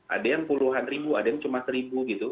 ada yang puluhan ribu ada yang cuma seribu gitu